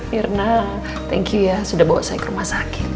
mirna thank you ya sudah bawa saya ke rumah sakit